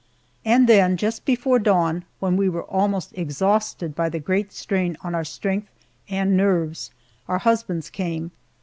And then, just before dawn, when we were almost exhausted by the great strain on our strength and nerves, our husbands came.